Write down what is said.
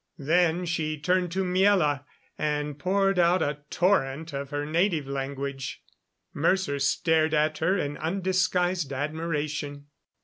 Then she turned to Miela and poured out a torrent of her native language. Mercer stared at her in undisguised admiration.